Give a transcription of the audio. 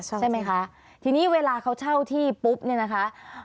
ใช่ไหมคะทีนี้เวลาเขาเช่าที่ปุ๊บเนี่ยนะคะ